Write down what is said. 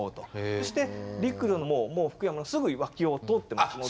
そして陸路ももう福山のすぐ脇を通ってますので。